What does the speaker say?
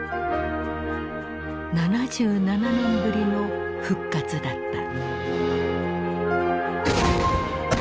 ７７年ぶりの復活だった。